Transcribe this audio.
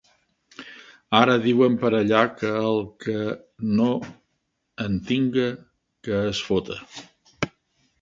Ara diuen per allà, que el que no en tinga, que es fota.